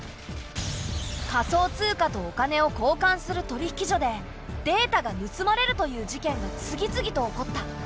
仮想通貨とお金を交換する取引所でデータがぬすまれるという事件が次々と起こった。